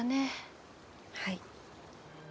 はい。